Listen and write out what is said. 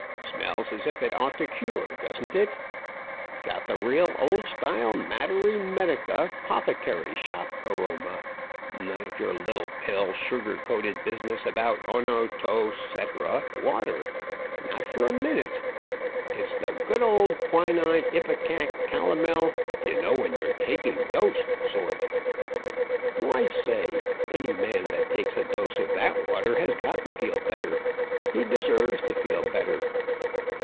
"Smells as if it ought to cure, don't it? Got the real old style matery medica 'pothecary shop aroma. None of your little pill, sugar coated business about O no to cetera water. Not for a minute! It's the good old quinine, ipecac, calomel, know when you're taking dose sort. Why, say! Any man that takes a dose of that water has got to feel better. He deserves to feel better."